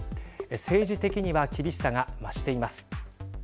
政治的には厳しさが増しています。